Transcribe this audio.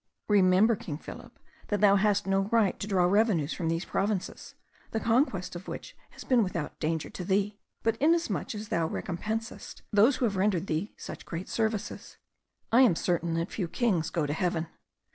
Remember, King Philip, that thou hast no right to draw revenues from these provinces, the conquest of which has been without danger to thee, but inasmuch as thou recompensest those who have rendered thee such great services. I am certain that few kings go to heaven.